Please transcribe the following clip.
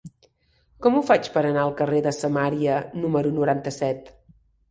Com ho faig per anar al carrer de Samaria número noranta-set?